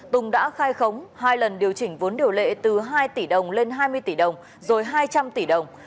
tùng đã khai khống hai lần điều chỉnh vốn điều lệ từ hai tỷ đồng lên hai mươi tỷ đồng rồi hai trăm linh tỷ đồng